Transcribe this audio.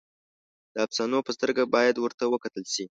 د افسانو په سترګه باید ورته وکتل شي.